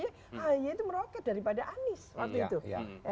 ahy itu meroket daripada anies waktu itu